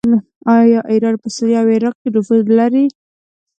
آیا ایران په سوریه او عراق کې نفوذ نلري؟